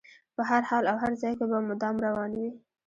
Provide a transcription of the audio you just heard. په هر حال او هر ځای کې به مدام روان وي.